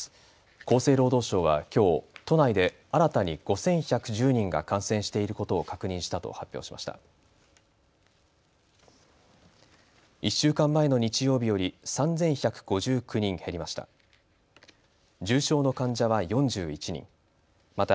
厚生労働省はきょう都内で新たに５１１０人が感染していることを確認したと発表しました。